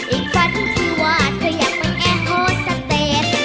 อีกครั้งที่วาดเธออยากมันแอโหสเตต